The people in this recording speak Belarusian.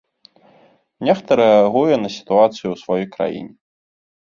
Нехта рэагуе на сітуацыю ў сваёй краіне.